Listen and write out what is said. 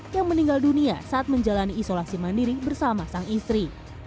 yang meninggal dunia saat menjalani isolasi mandiri bersama sang istri